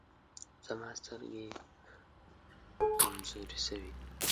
زما سترګي کمزوري سوي دی.